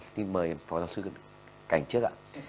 xin mời phó giáo sư cảnh trước ạ